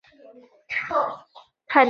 让她哭了好几个月